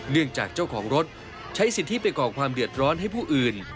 จากเจ้าของรถใช้สิทธิไปก่อความเดือดร้อนให้ผู้อื่น